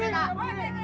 anaknya di sini